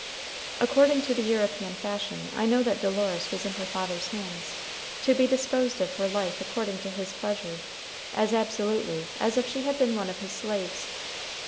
According to the European fashion, I know that Dolores was in her father's hands, to be disposed of for life according to his pleasure, as absolutely as if she had been one of his slaves.